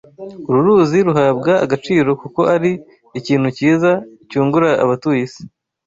Uru ruzi ruhabwa agaciro kuko ari ikintu cyiza cyungura abatuye isi